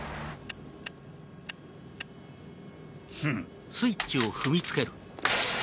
フン。